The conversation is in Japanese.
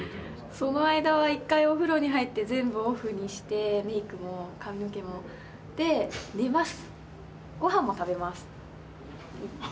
その間は一回お風呂に入って全部オフにしてメイクも髪の毛も。で寝ます。